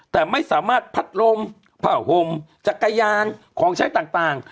แต่ไม่สามารถพัดลมผ้าห่มจักรยานของใช้ต่าง